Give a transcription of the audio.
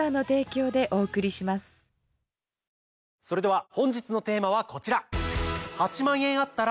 それでは本日のテーマはこちら！